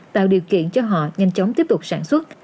tạo điều kiện cho họ nhanh chóng tiếp tục sản xuất